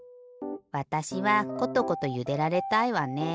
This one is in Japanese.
わたしはコトコトゆでられたいわね。